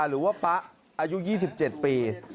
หรือว่าป๊ะอายุ๒๗ปี